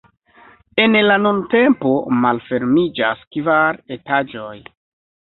En la nuntempo malfermiĝas kvar etaĝoj.